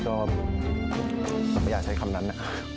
ก็ไม่อยากใช้คำนั้นน่ะ